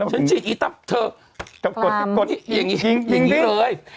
ฉันฉีดอีตั๊บเธออย่างงี้เลย